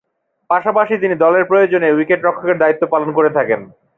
পাশাপাশি তিনি দলের প্রয়োজনে উইকেট-রক্ষকের দায়িত্ব পালন করে থাকেন।